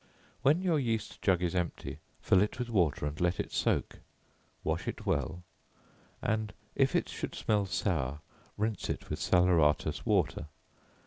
When your yeast jug is empty, fill it with water, and let it soak; wash it well, and if it should smell sour, rinse it with salaeratus water.